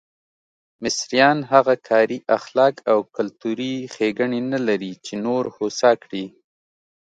مصریان هغه کاري اخلاق او کلتوري ښېګڼې نه لري چې نور هوسا کړي.